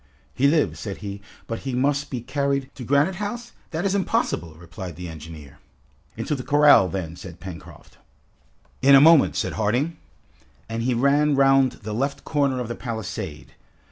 "He lives," said he, "but he must be carried " "To Granite House? that is impossible!" replied the engineer. "Into the corral, then!" said Pencroft. "In a moment," said Harding. And he ran round the left corner of the palisade.